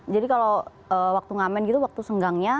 kalau waktu ngamen gitu waktu senggangnya